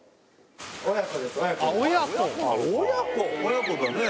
親子だね